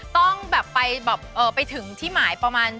ต้องแบบไปแบบไปถึงที่หมายประมาณ